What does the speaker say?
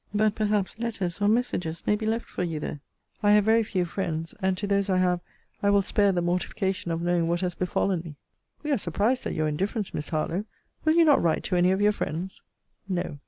But perhaps letters or messages may be left for you there. I have very few friends; and to those I have I will spare the mortification of knowing what has befallen me. We are surprised at your indifference, Miss Harlowe! Will you not write to any of your friends? No.